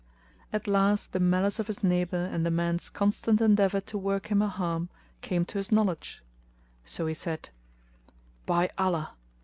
At last the malice of his neighbour and the man's constant endeavour to work him a harm came to his knowledge; so he said, "By Allah!